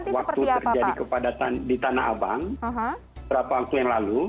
waktu terjadi kepadatan di tanah abang beberapa waktu yang lalu